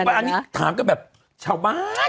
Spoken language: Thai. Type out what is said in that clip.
ถูกปะอันนี้ถามก็แบบชาวบ้าน